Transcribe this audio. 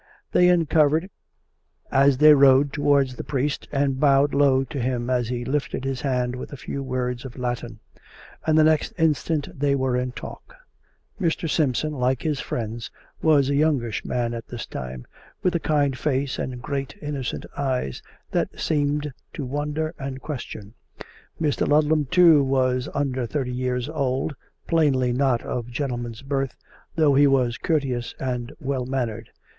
They uncovered as they rode towards the priest, and bowed low to him as he lifted his hand with a few words of Latin; and the next instant they were in talk. Mr. Simpson, like his friends, was a youngish man at this time, with a kind face and great, innocent eyes that seemed to wonder and question. Mr. Ludlam, too, ' was under thirty years old, plainly not of gentleman's' birth, though he was courteous and well mannered.